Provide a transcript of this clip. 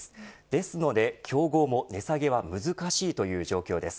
ですので、競合も値下げは難しいという状況です。